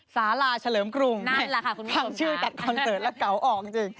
สาลาเฉลิมกรุงฟังชื่อตัดคอนเสิร์ตแล้วเกาะออกจริง